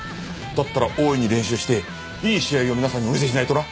だったら大いに練習していい試合を皆さんにお見せしないとな！